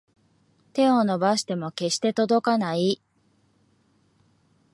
手を伸ばしても決して届かない